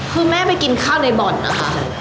คือแม่ไปกินข้าวในบ่อนนะคะ